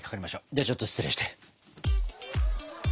ではちょっと失礼して。